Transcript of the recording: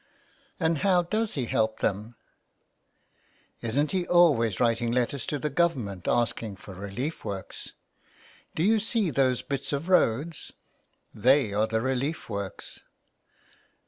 " And how does he help them ?"" Isn't he always writing letters to the Government asking for relief works. Do you see those bits of roads ? They are the relief works."